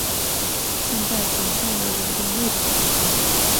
现在总算有稳定落脚的地方